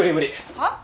はっ？